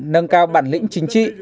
nâng cao bản lĩnh chính trị